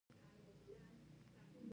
او د څښلو اوبو دغه حال دے